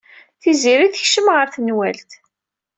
Tiziri tekcem ɣer tenwalt.